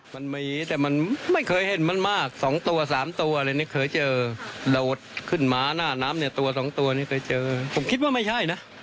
มันมีแต่มันไม่เคยเห็นมันมากสองตัวสามตัวเลยนี่เคยเจอโดดขึ้นมาหน้าน้ำเนี่ยตัวสองตัวนี้เคยเจอผมคิดว่าไม่ใช่นะ